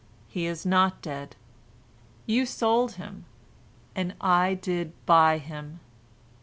He is not dead. You sold him, and I did buy him.